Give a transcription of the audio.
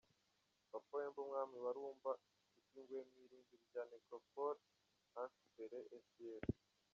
Papa Wemba ‘umwami wa Rumba’ yashyinguwe mu irimbi rya Necropole Entre Terre et Ciel.